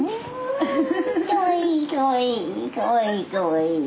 かわいいかわいい。